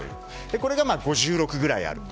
これが５６ぐらいあると。